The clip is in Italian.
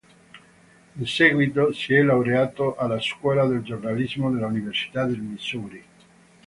In seguitò, si è laureato alla scuola del giornalismo dell'Università del Missouri.